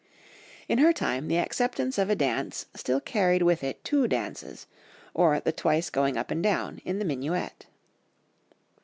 In her time, the acceptance of a dance still carried with it two dances, or the twice going up and down in the minuet.